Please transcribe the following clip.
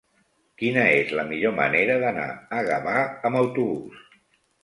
Quina és la millor manera d'anar a Gavà amb autobús?